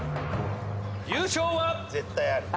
優勝は。